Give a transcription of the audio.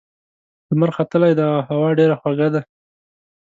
لمر ختلی دی او هوا ډېره خوږه ده.